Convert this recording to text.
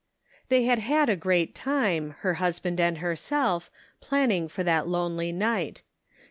They had had a great time, her husband and herself, planning for that lonely night.